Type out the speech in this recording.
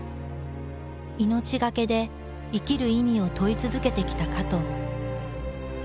命懸けで生きる意味を問い続けてきた加藤。